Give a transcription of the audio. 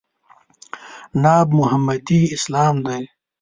ناب محمدي اسلام دی.